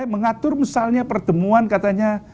mengatur misalnya pertemuan katanya